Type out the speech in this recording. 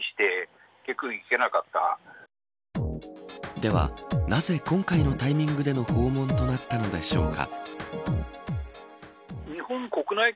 ではなぜ今回のタイミングでの訪問となったのでしょうか。